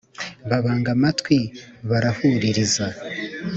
Babanga amatwi barahuririza,